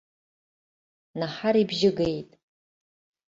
Наҳар ибжьы геит.